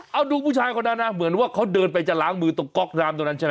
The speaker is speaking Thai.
เอาดูผู้ชายคนนั้นนะเหมือนว่าเขาเดินไปจะล้างมือตรงก๊อกน้ำตรงนั้นใช่ไหม